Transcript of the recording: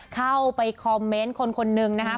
เข้าไปคอมเมนต์คนนึงนะครับ